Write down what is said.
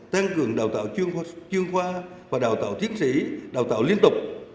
tăng cường đào tạo chuyên khoa và đào tạo tiến sĩ đào tạo liên tục